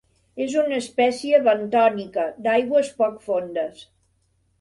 És una espècie bentònica d'aigües poc fondes.